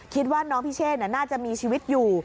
คิดว่าน้องพิเชษน่าจะมีชีวิตอยู่